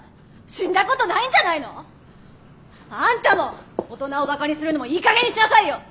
死んだことないんじゃないの？あんたも大人をバカにするのもいいかげんにしなさいよ！